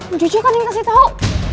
om jojo kan yang kasih tau